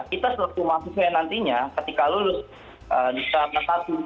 kita setelah kemas kursusnya nantinya ketika lulus di serata satu